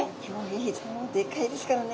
でっかいですからね。